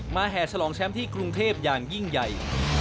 แห่ฉลองแชมป์ที่กรุงเทพอย่างยิ่งใหญ่